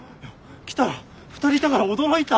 来たら２人いたから驚いた。